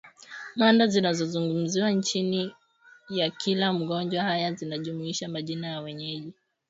Mada zinazozungumziwa chini ya kila magonjwa hayo zinajumuisha majina ya wenyeji